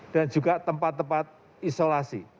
dan juga tempat tempat isolasi